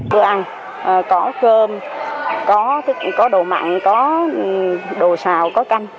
có ăn có cơm có đồ mặn có đồ xào có canh